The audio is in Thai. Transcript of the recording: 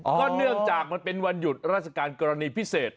ก็เนื่องจากมันเป็นวันหยุดราชการกรณีพิเศษ